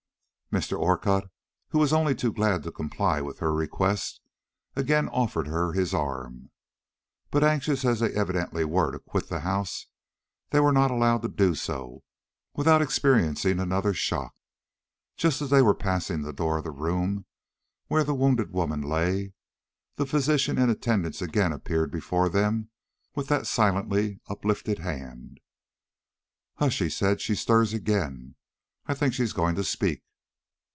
Mr. Orcutt, who was only too glad to comply with her request, again offered her his arm. But anxious as they evidently were to quit the house, they were not allowed to do so without experiencing another shock. Just as they were passing the door of the room where the wounded woman lay, the physician in attendance again appeared before them with that silently uplifted hand. "Hush!" said he; "she stirs again. I think she is going to speak."